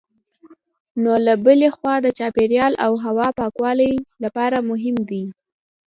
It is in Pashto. نو له بلې خوا د چاپېریال او هوا پاکوالي لپاره مهم دي.